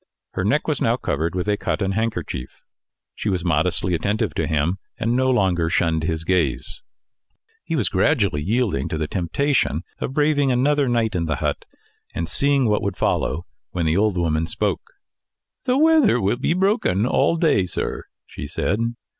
Her neck was now covered with a cotton handkerchief. She was modestly attentive to him, and no longer shunned his gaze. He was gradually yielding to the temptation of braving another night in the hut, and seeing what would follow, when the old woman spoke. "The weather will be broken all day, sir," she said.